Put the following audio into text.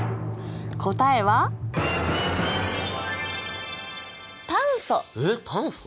答えはえっ炭素？